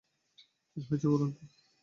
কী হয়েছে বলুন তো?